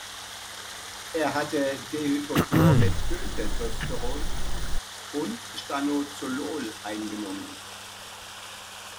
Er hatte Dehydrochlormethyltestosteron und Stanozolol eingenommen.